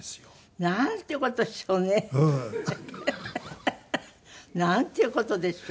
ハハハハ。なんていう事でしょう。